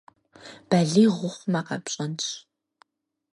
Балигъ ухъумэ къэпщӏэнщ.